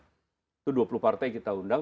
itu dua puluh partai kita undang